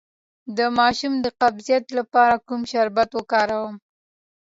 د ماشوم د قبضیت لپاره کوم شربت وکاروم؟